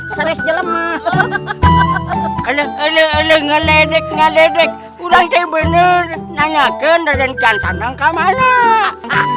seris jelem ah hahaha enak enak enak enak ngedek ngedek udah bener nanya ke ndenka nangka malah